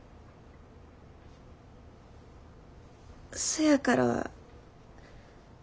そやから。